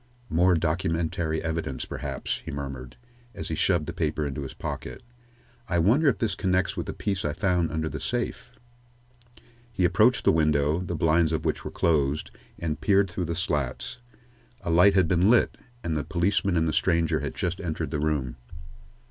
"More documentary evidence, perhaps," he murmured, as he shoved the paper into his pocket. "I wonder if this connects with the piece I found under the safe?" He approached the window, the blinds of which were closed, and peered through the slats. A light had been lit, and the policeman and the stranger had just entered the room.